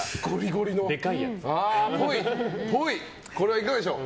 これはいかがでしょう？